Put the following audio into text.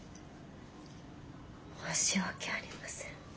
申し訳ありません。